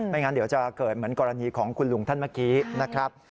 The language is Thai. งั้นเดี๋ยวจะเกิดเหมือนกรณีของคุณลุงท่านเมื่อกี้นะครับ